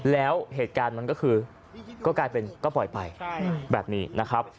แล้วเหตุการณ์มันก็คือก็กลายเป็นก็ปล่อยไปแบบนี้นะครับ